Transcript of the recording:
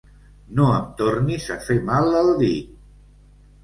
No em tornis a fer mal al dit.